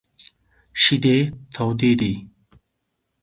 شیدې تودې دي !